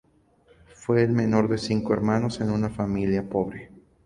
Fue el menor de cinco hermanos en una familia pobre.